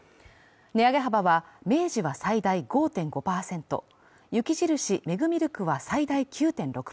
値上げ幅は明治は最大５．５％雪印メグミルクは最大９．６％